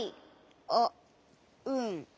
あっうん。